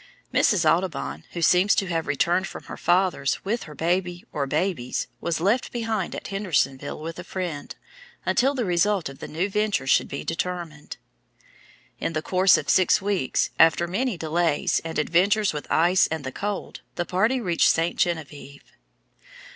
Mrs. Audubon, who seems to have returned from her father's, with her baby, or babies, was left behind at Hendersonville with a friend, until the result of the new venture should be determined. In the course of six weeks, after many delays, and adventures with the ice and the cold, the party reached St. Geneviève.